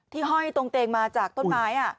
ห้อยตรงเตงมาจากต้นไม้